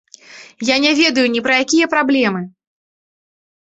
Я не ведаю ні пра якія праблемы!